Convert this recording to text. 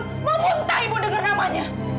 memuntah ibu denger namanya